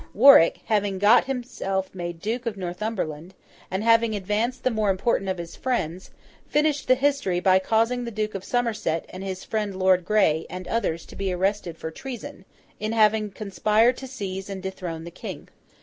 Warwick, having got himself made Duke of Northumberland, and having advanced the more important of his friends, then finished the history by causing the Duke of Somerset and his friend Lord Grey, and others, to be arrested for treason, in having conspired to seize and dethrone the King.